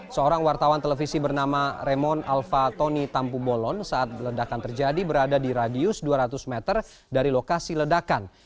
seorang wartawan televisi bernama remon alva tony tampu bolon saat ledakan terjadi berada di radius dua ratus meter dari lokasi ledakan